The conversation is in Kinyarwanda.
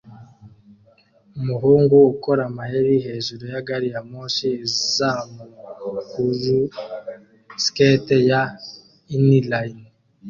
Umuhungu ukora amayeri hejuru ya gari ya moshi izamu kuri skate ya inline